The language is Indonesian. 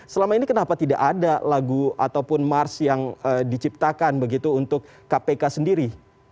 selama ini kenapa tidak ada lagu ataupun mars yang diciptakan begitu untuk kpk sendiri